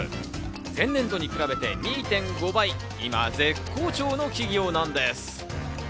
前年度に比べて２．５倍、今絶好調の企業なんです。